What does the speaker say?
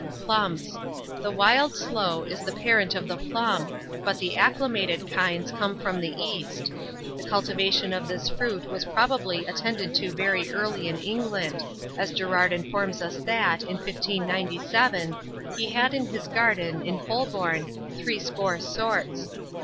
PLUMS. The wild sloe is the parent of the plum, but the acclimated kinds come from the East. The cultivation of this fruit was probably attended to very early in England, as Gerrard informs us that, in 1597, he had in his garden, in Holborn, threescore sorts.